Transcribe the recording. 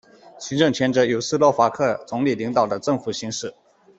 行政权则由斯洛伐克总理领导的政府行使。